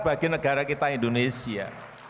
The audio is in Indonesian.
bagi negara kita indonesia